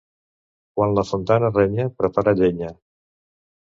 Quan la Fontana renya, prepara llenya.